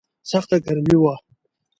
سخته ګرمي وه.